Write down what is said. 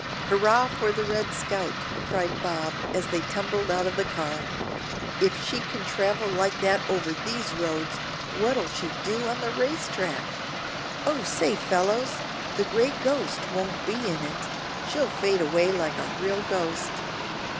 "Hurrah for the 'Red Scout,'" cried Bob, as they tumbled out of the car. "If she can travel like that over these roads, what'll she do on the race track? Oh, say, fellows, the 'Gray Ghost' won't be in it. She'll fade away like a real ghost."